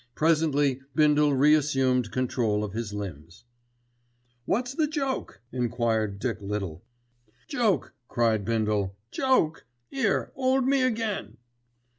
Presently Bindle reassumed control of his limbs. "What's the joke?" enquired Dick Little. "Joke!" cried Bindle. "Joke! 'Ere 'old me again."